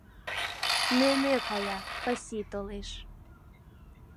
Мӧмӧ кая, пыси толеш